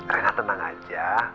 rena tenang aja